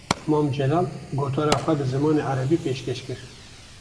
Mam Celal, gotara xwe bi zimanê Erebî pêşkêş kir